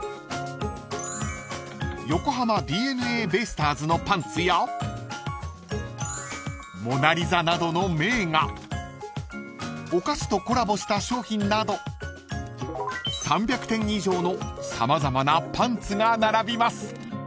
［横浜ＤｅＮＡベイスターズのパンツや『モナ・リザ』などの名画お菓子とコラボした商品など３００点以上の様々なパンツが並びます］